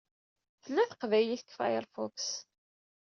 Tella teqbaylit deg Firefox.